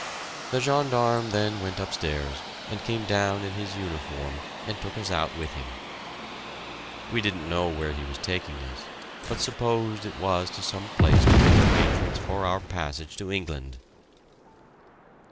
The gendarme then went upstairs and came down in his uniform and took us out with him. We didn't know where he was taking us, but supposed it was to some place to make arrangements for our passage to England.